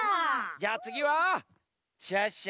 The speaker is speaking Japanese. じゃあつぎはシュッシュ。